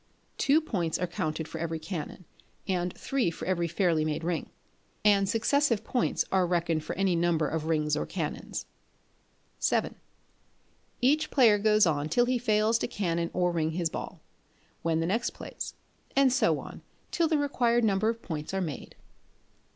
Two points are counted for every canon, and three for every fairly made ring; and successive points are reckoned for any number of rings or canons. vii. Each player goes on till he fails to canon or ring his ball; when the next plays; and so on, till the required number of points are made.